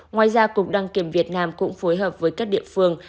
ngoài ra cục đăng kiểm việt nam cũng phối hợp với các địa phương